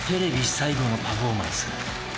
最後のパフォーマンス。